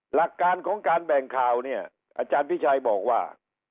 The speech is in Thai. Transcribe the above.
หลักการของการแบ่งข่าวเนี่ยอาจารย์พิชัยบอกว่า